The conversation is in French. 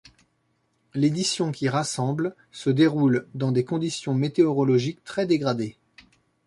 L'édition qui rassemble se déroule dans des conditions météorologiques très dégradées.